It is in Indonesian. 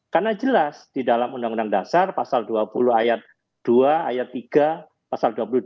karena jelas di dalam undang undang dasar pasal dua puluh ayat dua ayat tiga pasal dua puluh dua